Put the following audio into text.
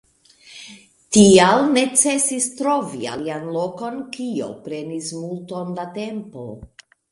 Tial necesis trovi alian lokon, kio prenis multon da tempo.